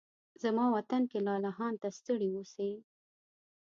زما وطن کې لالهانده ستړي اوسې